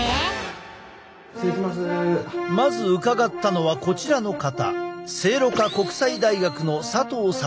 まず伺ったのはこちらの方。